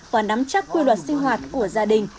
và nắm chắc quy luật sinh hoạt của gia đình